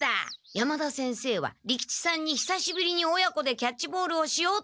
山田先生は利吉さんに久しぶりに親子でキャッチボールをしようってさそって。